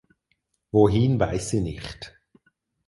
Wohin weiß sie nicht.